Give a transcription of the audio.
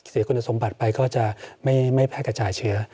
คุณสมบัติไปก็จะไม่แพร่กระจายเชื้อ